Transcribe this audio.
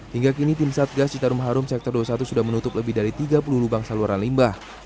hingga kini tim satgas citarum harum sektor dua puluh satu sudah menutup lebih dari tiga puluh lubang saluran limbah